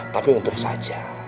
tapi untuk saja